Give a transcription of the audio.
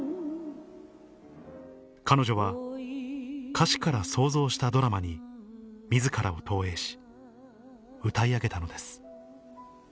彼女は歌詞から想像したドラマに自らを投影し歌い上げたのです